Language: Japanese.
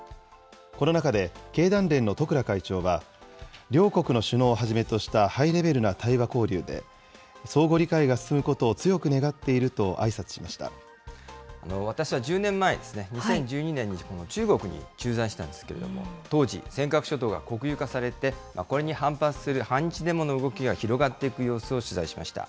この中で、経団連の十倉会長は、両国の首脳をはじめとしたハイレベルな対話交流で、相互理解が進むことを強く願っているとあいさ私は１０年前、２０１２年に中国に駐在してたんですけれども、当時、尖閣諸島が国有化されて、これに反発する反日デモの動きが広がっていく様子を取材しました。